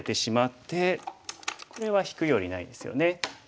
これは引くよりないですよね。